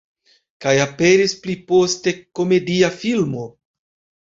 Kaj aperis pli poste komedia filmo.